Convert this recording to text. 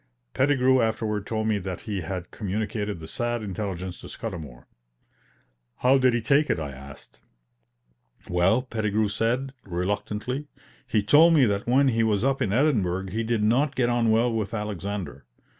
Pettigrew afterward told me that he had communicated the sad intelligence to Scudamour. "How did he take it?" I asked. "Well," Pettigrew said, reluctantly, "he told me that when he was up in Edinburgh he did not get on well with Alexander.